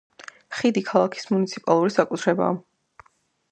ხიდი ქალაქის მუნიციპალური საკუთრებაა.